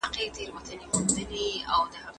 آيا په حيض کي جماع کول منع دي؟